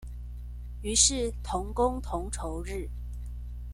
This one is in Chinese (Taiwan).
於是同工同酬日